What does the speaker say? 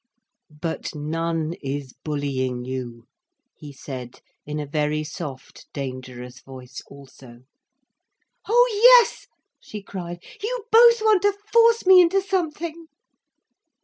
"But none is bullying you," he said, in a very soft dangerous voice also. "Oh yes," she cried. "You both want to force me into something."